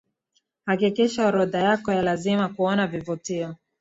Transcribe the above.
hakikisha orodha yako ya lazima kuona vivutio